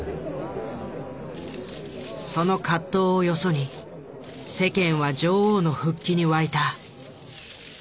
その葛藤をよそに世間は女王の復帰に沸いた。